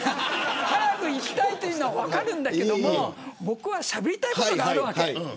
早くいきたいのは分かるけど僕はしゃべりたいことがあるわけ。